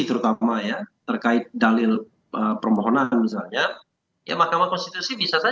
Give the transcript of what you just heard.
terutama ya terkait dalil permohonan misalnya ya mahkamah konstitusi bisa saja